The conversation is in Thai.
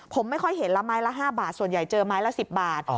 ผมไม่ค่อยเห็นละไม้ละ๕บาทส่วนใหญ่เจอไม้ละ๑๐บาท